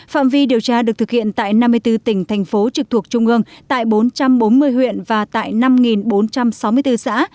phạm vi điều tra được thực hiện tại năm mươi bốn tỉnh thành phố trực thuộc trung ương tại bốn trăm bốn mươi huyện và tại năm bốn trăm sáu mươi bốn xã